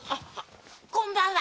こんばんは。